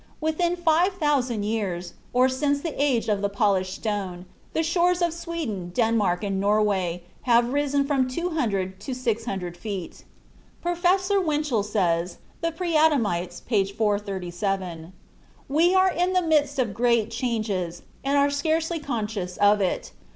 Within five thousand years, or since the age of the "polished stone," the shores of Sweden, Denmark, and Norway have risen from 200 to 600 feet. Professor Winchell says ("The Preadamites," p. 437): "We are in the midst of great changes, and are scarcely conscious of it.